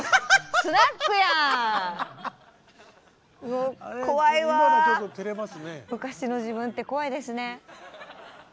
もう怖いわ昔の自分って怖いですね。